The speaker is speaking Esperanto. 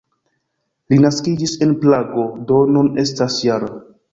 Li naskiĝis en Prago, do nun estas -jara.